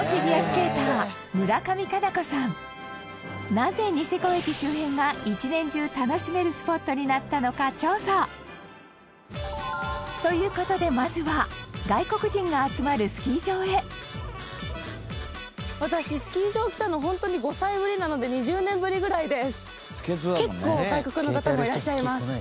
なぜ、ニセコ駅周辺が１年中楽しめるスポットになったのか、調査という事で、まずは外国人が集まるスキー場へ私、スキー場来たの本当に５歳ぶりなので２０年ぶりぐらいです。